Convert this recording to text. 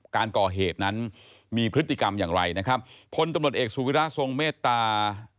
การก่อเหตุนั้นมีพฤติกรรมอย่างไรนะครับพลตำรวจเอกสุวิระทรงเมตตา